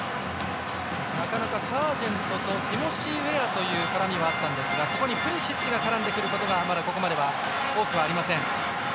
なかなかサージェントとティモシー・ウェアという絡みはあったんですがそこにプリシッチが絡んでくることはここまでは多くありません。